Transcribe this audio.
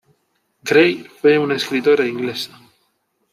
Grey, fue una escritora inglesa.